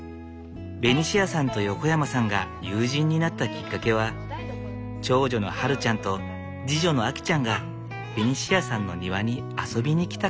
ベニシアさんと横山さんが友人になったきっかけは長女の春ちゃんと次女のあきちゃんがベニシアさんの庭に遊びに来たから。